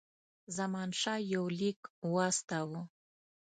زمانشاه یو لیک واستاوه.